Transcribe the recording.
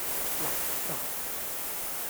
垃圾!